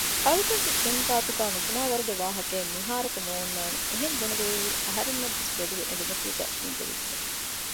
އަޅުގަނޑު ޝިމް ގާތުގައި ނުުބުނާވަރުގެ ވާހަކައެއް މިހާރަކު ނޯންނާނެ އެހެން ބުނެވުނުއިރު އަހަންނަށްވެސް ތެދުވެ އެނދުމަތީގައި އިށީނދެވިއްޖެ